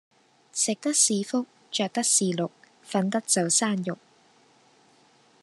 食得是福着得是祿瞓得就生肉